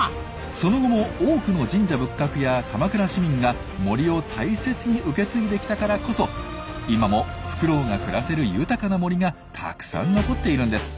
その後も多くの神社仏閣や鎌倉市民が森を大切に受け継いできたからこそ今もフクロウが暮らせる豊かな森がたくさん残っているんです。